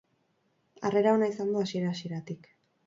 Harrera ona izan du hasiera-hasieratik.